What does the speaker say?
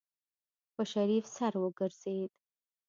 په شريف سر وګرځېده.